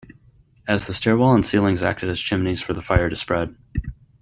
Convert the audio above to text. As the stairwell and ceilings acted as chimneys for the fire to spread.